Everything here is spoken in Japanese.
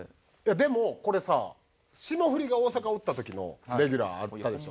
でもこれさ霜降りが大阪おった時のレギュラーあったでしょ？